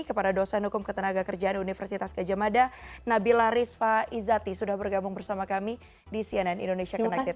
kepada dosen hukum ketenaga kerjaan universitas gajah mada nabila rizfa izati sudah bergabung bersama kami di cnn indonesia connected